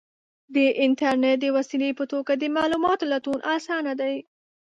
د انټرنیټ د وسیلې په توګه د معلوماتو لټون آسانه دی.